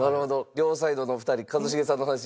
両サイドの２人一茂さんの話。